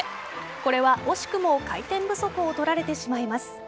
これは惜しくも回転不足を取られてしまいます。